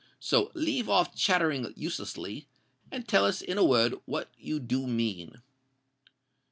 So leave off chattering uselessly—and tell us in a word what you do mean."